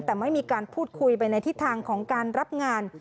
แต่ไม่มีการพูดคุยไปในทิศทางของการรับงาน